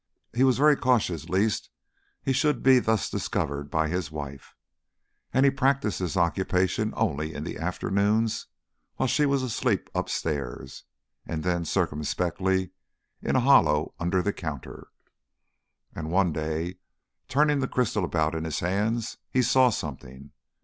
He was very cautious lest he should be thus discovered by his wife, and he practised this occupation only in the afternoons, while she was asleep upstairs, and then circumspectly in a hollow under the counter. And one day, turning the crystal about in his hands, he saw something.